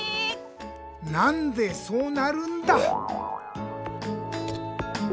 なんでそうなるんだ